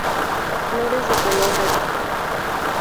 Flores de color verde.